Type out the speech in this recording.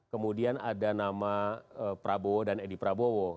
kemudian ada nama prabowo dan edi prabowo